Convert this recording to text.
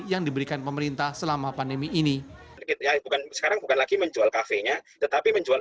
yang diberikan pemerintah selama pandemi ini bukan sekarang bukan lagi menjual kafenya tetapi menjual